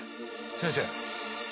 先生。